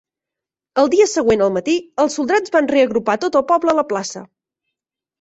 El dia següent al matí, els soldats van reagrupar tot el poble a la plaça.